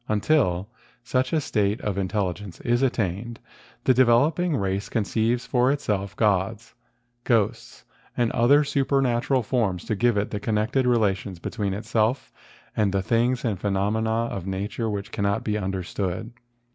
Until such a state of intelligence is attained, the developing race conceives for itself gods, ghosts, and other supernatural forms to give it the connected rela¬ tions between itself and the things and phenom¬ ena of nature which cannot be understood.